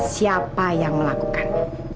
siapa yang melakukan